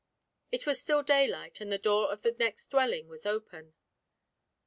It was still daylight, and the door of the next dwelling was open.